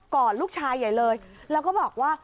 อดลูกชายใหญ่เลยแล้วก็บอกว่า